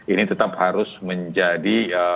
ini tetap harus menjadi